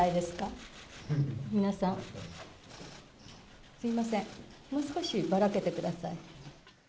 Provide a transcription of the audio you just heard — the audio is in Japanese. すみません、もう少しばらけてください。